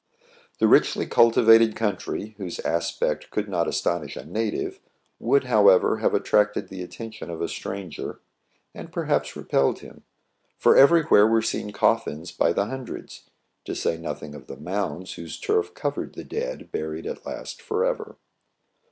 This richly cultivated country, whose aspect could not astonish a native, would, however, have attracted the attention of a stranger, and perhaps repelled him ; for everywhere were seen coffins by 78 TRIBULATIONS OF A CHINAMAN, the hundreds, to say nothing of the mounds whose turf covered the dead buried at last forever.